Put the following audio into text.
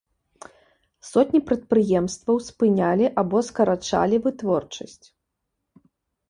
Сотні прадпрыемстваў спынялі або скарачалі вытворчасць.